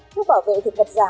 thuốc bảo vệ thực vật giả